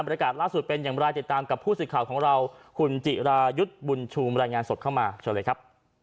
อากาศล่าสุดเป็นอย่างไรติดตามกับผู้สื่อข่าวของเราคุณจิรายุทธ์บุญชูมรายงานสดเข้ามาเชิญเลยครับ